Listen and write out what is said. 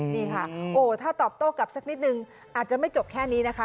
นี่ค่ะโอ้ถ้าตอบโต้กลับสักนิดนึงอาจจะไม่จบแค่นี้นะคะ